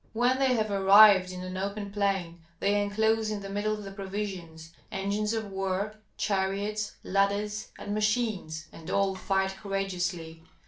When they have arrived in an open plain they enclose in the middle the provisions, engines of war, chariots, ladders, and machines, and all fight courageously.